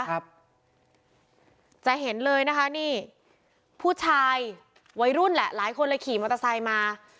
จะเห็นเลยนะคะนี่ผู้ชายวัยรุ่นแหละหลายคนเลยขี่มอเตอร์ไซค์มา